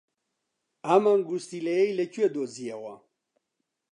ئەم ئەنگوستیلەیەی لەکوێ دۆزییەوە؟